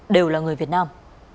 đều là người việt nam